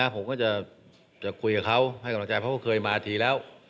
ผมก็จะคุยกับเขาให้กำลังใจเพราะเขาเคยมาทีแล้ว